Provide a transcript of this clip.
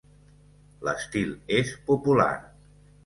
L'estil és popular.